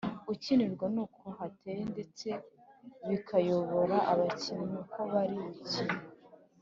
ukinirwa n’uko hateye ndetse bikayobora abakinnyi uko bari bukine ( imyifatire)